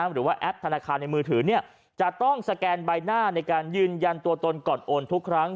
แอปธนาคารในมือถือจะต้องสแกนใบหน้าในการยืนยันตัวตนก่อนโอนทุกครั้ง